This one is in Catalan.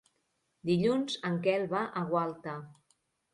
Dilluns en Quel va a Gualta.